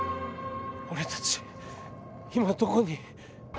俺たち今どこに！？